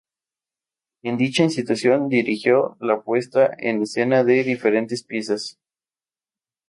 En dicha institución, dirigió la puesta en escena de diferentes piezas.